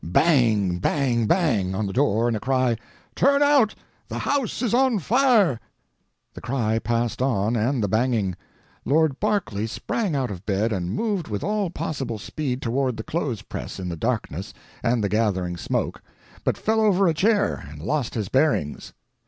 Bang, bang, bang! on the door, and a cry: "Turn out—the house is on fire!" The cry passed on, and the banging. Lord Berkeley sprang out of bed and moved with all possible speed toward the clothes press in the darkness and the gathering smoke, but fell over a chair and lost his bearings.